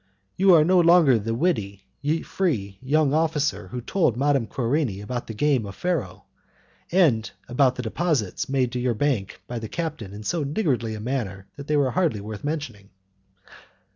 You are no longer the witty, free young officer who told Madame Querini about the game of Pharaoh, and about the deposits made to your bank by the captain in so niggardly a manner that they were hardly worth mentioning."